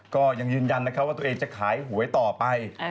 ก็ยังยืนยันว่าตัวเองจะขายหวยต่อไป